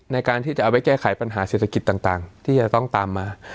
ในการที่จะเอาไว้แก้ไขปัญหาเศรษฐกิจต่างที่จะต้องตามมา